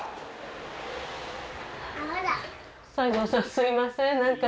すいません何か。